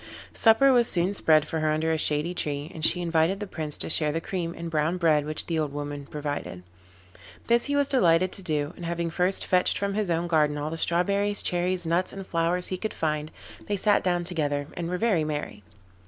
Supper was soon spread for her under a shady tree, and she invited the Prince to share the cream and brown bread which the old woman provided. This he was delighted to do, and having first fetched from his own garden all the strawberries, cherries, nuts and flowers he could find. they sat down together and were very merry.